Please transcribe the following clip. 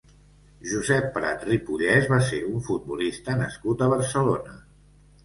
Josep Prat Ripollès va ser un futbolista nascut a Barcelona.